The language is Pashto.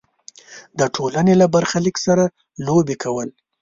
د ټولنې له برخلیک سره لوبې کول.